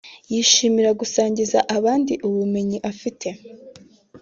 yishimira gusangiza abandi ubumenyi afite